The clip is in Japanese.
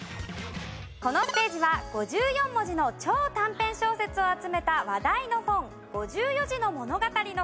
このステージは５４文字の超短編小説を集めた話題の本『５４字の物語』のクイズです。